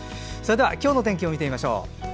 今日の天気を見てみましょう。